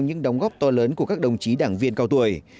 những đóng góp to lớn của các đồng chí đảng viên cao tuổi